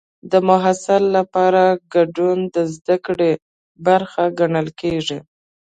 د محصل لپاره ګډون د زده کړې برخه ګڼل کېږي.